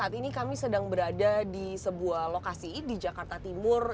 saat ini kami sedang berada di sebuah lokasi di jakarta timur